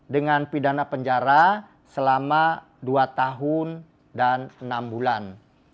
dengan pidana penjara selama dua tahun dan enam bulan